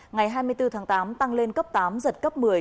ngày hai mươi bốn tháng tám tăng lên cấp tám giật cấp một mươi